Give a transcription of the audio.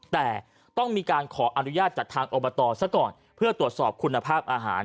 แต่ต้องมีการขออนุญาตจากทางอบตซะก่อนเพื่อตรวจสอบคุณภาพอาหาร